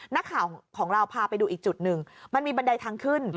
นักข่าวของเราพาไปดูอีกจุดหนึ่งมันมีบันไดทางขึ้น